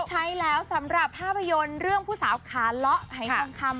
ใช่แล้วสำหรับภาพยนตร์เรื่องผู้สาวขาเลาะหายทองคำ